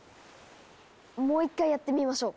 もう一回やってみましょう。